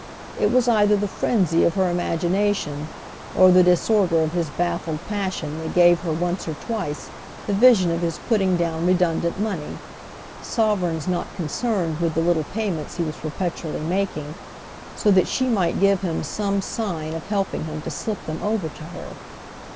It was either the frenzy of her imagination or the disorder of his baffled passion that gave her once or twice the vision of his putting down redundant money—sovereigns not concerned with the little payments he was perpetually making—so that she might give him some sign of helping him to slip them over to her.